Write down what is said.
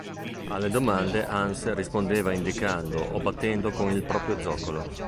Alle domande Hans rispondeva indicando o battendo con il proprio zoccolo.